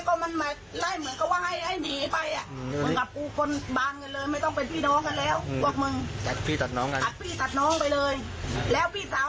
เพราะฉะนั้นความรู้สึกเรานะไม่ต้องมาเคลียร์